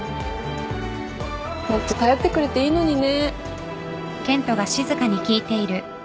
もっと頼ってくれていいのにね。